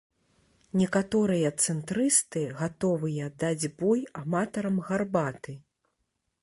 Некаторыя цэнтрысты гатовыя даць бой аматарам гарбаты.